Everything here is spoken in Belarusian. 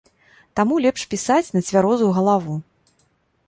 Таму лепш пісаць на цвярозую галаву.